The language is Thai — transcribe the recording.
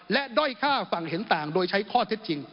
และด้อยฆ่าฝั่งเห็นต่างโดยใช้ข้อเท็จจริง